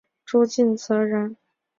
朱敬则人。